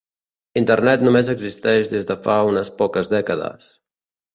Internet només existeix des de fa unes poques dècades.